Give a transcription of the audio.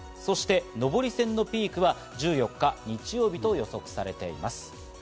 上り線のピークは１４日、日曜日と予測されています。